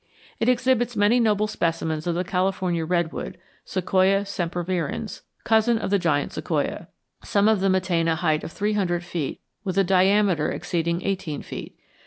It exhibits many noble specimens of the California redwood, Sequoia sempervirens, cousin of the giant sequoia. Some of them attain a height of three hundred feet, with a diameter exceeding eighteen feet.